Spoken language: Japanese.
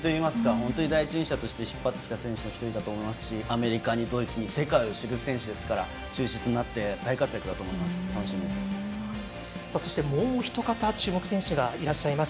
本当に第一人者として引っ張ってきた１人だと思いますしアメリカにドイツに世界を知る選手ですから中心となってそして、もうお一方注目選手がいらっしゃいます。